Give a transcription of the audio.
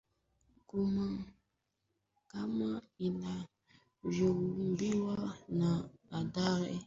Kama alivyoambiwa na Andrea akifika atakuta begi kubwa chini ya mito chumbani